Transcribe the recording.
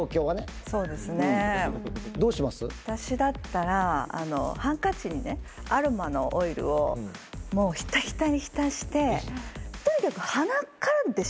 私だったらハンカチにアロマのオイルをひたひたに浸してとにかく鼻からでしょ。